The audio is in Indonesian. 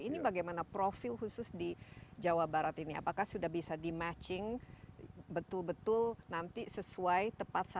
ini bagaimana profil khusus di jawa barat ini apakah sudah bisa di matching betul betul nanti sesuai tepat saja